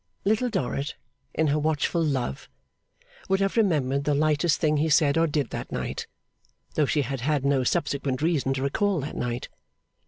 Little Dorrit, in her watchful love, would have remembered the lightest thing he said or did that night, though she had had no subsequent reason to recall that night.